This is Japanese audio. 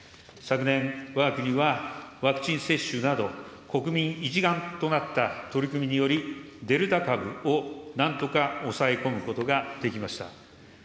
昨年、わが国はワクチン接種など、国民一丸となった取り組みにより、デルタ株をなんとか抑え込むことができました。